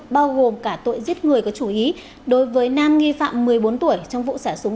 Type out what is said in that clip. bao gồm cả tội giết người có chủ ý đối với nam nghi phạm một mươi bốn tuổi trong vụ xả súng